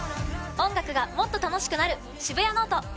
音楽がもっと楽しくなる「シブヤノオト」。